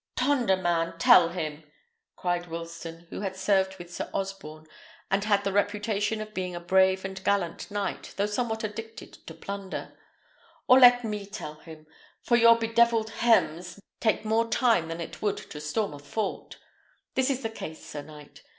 "Tonder, man! tell him all," cried Wilsten, who had served with Sir Osborne, and had the reputation of being a brave and gallant knight, though somewhat addicted to plunder; "or let me tell him, for your bedevilled 'hems' take more time than it would to storm a fort. This is the case, sir knight.